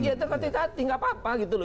ya tertatih tatih nggak apa apa gitu loh